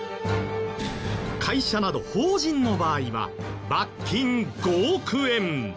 会社など法人の場合は罰金５億円。